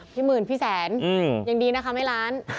หมื่นพี่แสนยังดีนะคะแม่ล้าน